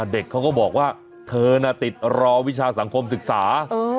เด็กเขาก็บอกว่าเธอน่ะติดรอวิชาสังคมศึกษา